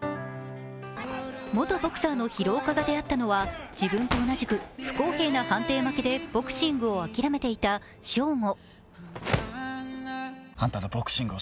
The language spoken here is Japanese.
元ボクサーの広岡が出会ったのは自分と同じく不公平な判定負けでボクシングをあきらめていた翔吾。